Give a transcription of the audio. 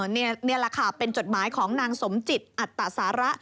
นี่แหละค่ะเป็นจดหมายของนางสมจิตอัตตสาระ